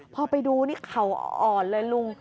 พอไปดูนี่เข่าอ่อนเลยลุง